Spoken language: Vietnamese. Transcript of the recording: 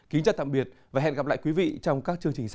kính chào tạm biệt và hẹn gặp lại quý vị trong các chương trình sau